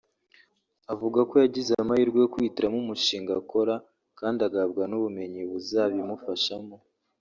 avuga ko yagize amahirwe yo kwihitiramo umushinga akora kandi agahabwa n’ubumenyi buzabimufashamo